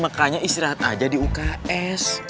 makanya istirahat aja di uks